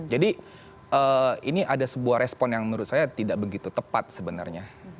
jadi ini ada sebuah respon yang menurut saya tidak begitu tepat sebenarnya